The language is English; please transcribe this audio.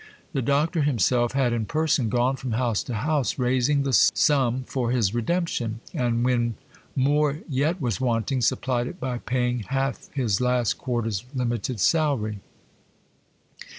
The Doctor himself had in person gone from house to house, raising the sum for his redemption; and when more yet was wanting, supplied it by paying half his last quarter's limited salary.